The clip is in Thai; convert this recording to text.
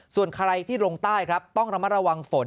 ส่วนใครที่ลงใต้ครับต้องระมัดระวังฝน